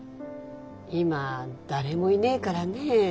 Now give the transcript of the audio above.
今誰もいねぇからねぇ。